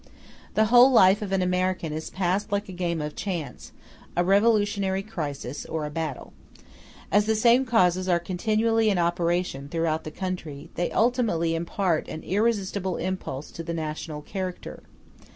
The whole life of an American is passed like a game of chance, a revolutionary crisis, or a battle. As the same causes are continually in operation throughout the country, they ultimately impart an irresistible impulse to the national character.